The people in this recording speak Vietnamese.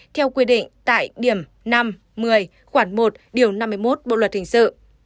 theo quy định tài điểm năm một mươi khoản một điều năm mươi một bộ luật hình sự